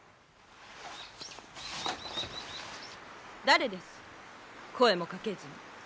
誰です声もかけずに。